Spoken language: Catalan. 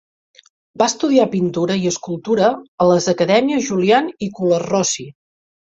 Va estudiar pintura i escultura a les acadèmies Julian i Colarossi.